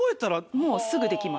もうすぐできます。